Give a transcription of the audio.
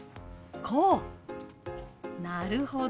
なるほど。